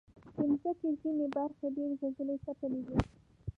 د مځکې ځینې برخې ډېر زلزلهځپلي دي.